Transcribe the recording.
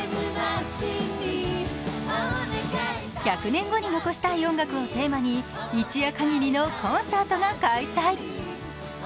１００年後に残したい音楽をテーマに一夜限りのコンサートが開催。